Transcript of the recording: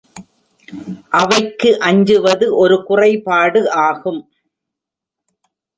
அவைக்கு அஞ்சுவது ஒரு குறைபாடு ஆகும்.